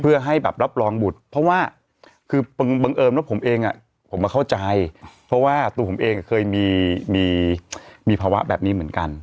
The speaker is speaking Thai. เพื่อให้แบบรับรองบุตรเพราะว่าคือบังเอิญว่าผมเองผมมาเข้าใจเพราะว่าตัวผมเองเคยมีภาวะแบบนี้เหมือนกัน